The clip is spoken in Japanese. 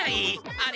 あれ？